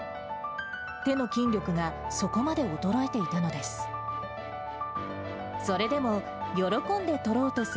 手の筋力がそこまで衰えていたのです。